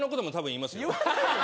言わないよ。